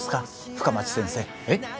深町先生えっ？